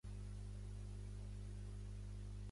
El veritable amor mai no té el camí fàcil.